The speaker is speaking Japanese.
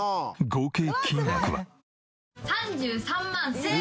合計金額は。